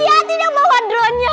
itu hati hati dong bawa dronenya